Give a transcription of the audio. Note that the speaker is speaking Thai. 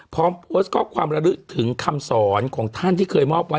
พร้อมโพสต์ข้อความระลึกถึงคำสอนของท่านที่เคยมอบไว้